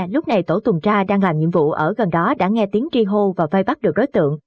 lúc này tổ tuần tra đang làm nhiệm vụ ở gần đó đã nghe tiếng tri hô và vây bắt được đối tượng